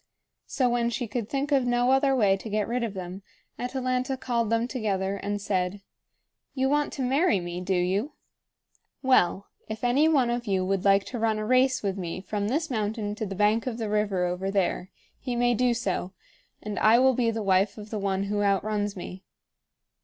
So, when she could think of no other way to get rid of them, Atalanta called them together and said: "You want to marry me, do you? Well, if any one of you would like to run a race with me from this mountain to the bank of the river over there, he may do so; and I will be the wife of the one who outruns me."